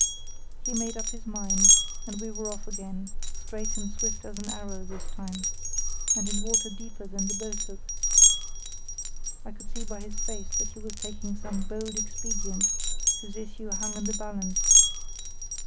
He made up his mind, and we were off again, straight and swift as an arrow this time, and in water deeper than the boathook. I could see by his face that he was taking some bold expedient whose issue hung in the balance....